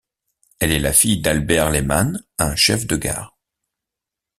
Elle est la fille d'Albert Lehmann, un chef de gare.